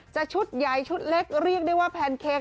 ชุดใหญ่ชุดเล็กเรียกได้ว่าแพนเค้ก